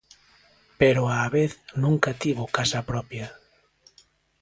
Pero á vez nunca tivo casa propia.